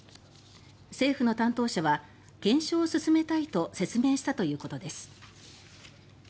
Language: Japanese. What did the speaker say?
政府の担当者は「検証を進めたい」と説明したということです。